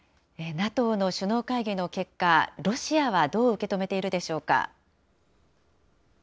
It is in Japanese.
ＮＡＴＯの首脳会議の結果、ロシアはどう受け止めているでしょう